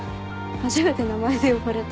初めて名前で呼んでみた。